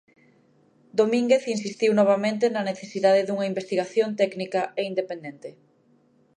Domínguez insistiu novamente na necesidade dunha investigación técnica e independente.